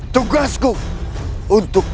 tugasku untuk